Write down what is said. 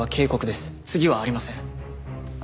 次はありません。